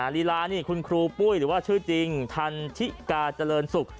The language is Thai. ลีลานี่คุณครูปุ้ยหรือว่าชื่อจริงทันทิกาเจริญศุกร์